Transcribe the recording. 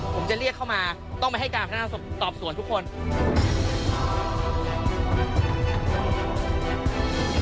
ผมจะเรียกเข้ามาต้องไปให้การพนักงานสอบสวนทุกคน